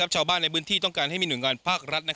ชาวบ้านในพื้นที่ต้องการให้มีหน่วยงานภาครัฐ